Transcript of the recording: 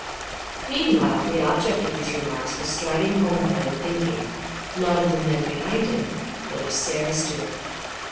Meanwhile, the object of these remarks was striding homeward and thinking, not of the men behind him, but of Sara Stuart.